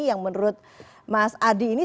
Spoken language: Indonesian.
yang menurut mas adi ini